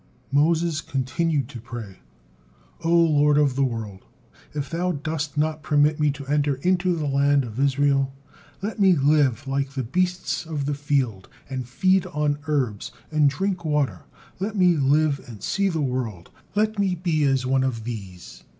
'" Moses continued to pray: "O Lord of the world! If thou dost not permit me to enter into the land of Israel, let me live like the beasts of the field, and feed on herbs, and drink water, let me live and see the world: let me be as one of these."